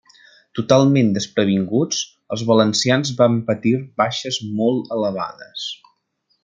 Totalment desprevinguts, els valencians van patir baixes molt elevades.